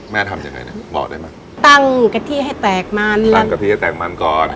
ทำยังไงเนี่ยบอกได้ไหมตั้งกะทิให้แตกมันตั้งกะทิให้แตกมันก่อน